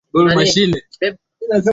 Akatilia gari moto na kuliondosha kwa kasi